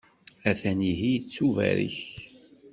A-t-an ihi, ittubarek.